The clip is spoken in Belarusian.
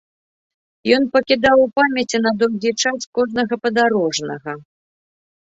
Ён пакідаў у памяці на доўгі час кожнага падарожнага.